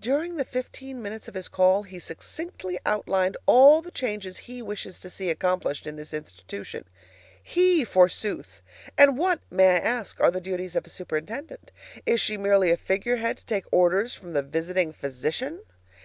During the fifteen minutes of his call he succinctly outlined all the changes he wishes to see accomplished in this institution. HE forsooth! And what, may I ask, are the duties of a superintendent? Is she merely a figurehead to take orders from the visiting physician?